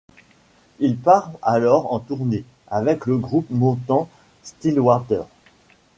Il part alors en tournée, avec le groupe montant Stillwater.